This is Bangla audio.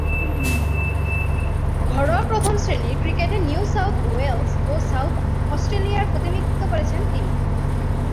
ঘরোয়া প্রথম-শ্রেণীর ক্রিকেটে নিউ সাউথ ওয়েলস ও সাউথ অস্ট্রেলিয়ার প্রতিনিধিত্ব করেছেন তিনি।